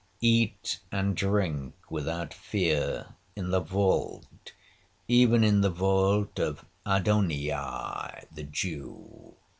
Eat and drink without fear in the vault, even in the vault of Adonijah the Jew.